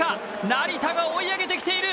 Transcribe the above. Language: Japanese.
成田が追い上げてきている。